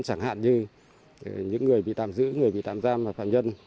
chẳng hạn như những người bị tạm giữ người bị tạm giam và phạm nhân